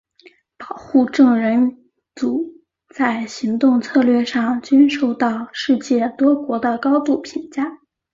保护证人组在行动策略上均受到世界多国的高度评价。